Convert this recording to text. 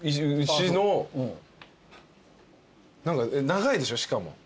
長いでしょしかも。